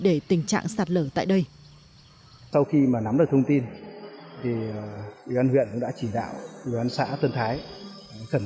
để tình trạng sạt lở tại đây sau khi mà nắm được thông tin thì huyện đã chỉ đạo xã tân thái khẩn